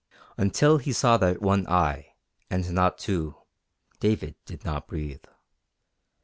Until he saw that one eye, and not two, David did not breathe.